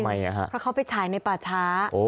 เพราะเขาไปฉายในป่าช้า